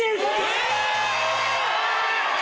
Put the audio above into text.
え！